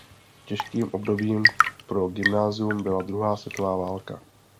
Těžkým obdobím pro gymnázium byla druhá světová válka.